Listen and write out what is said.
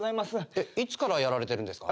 えっいつからやられてるんですか？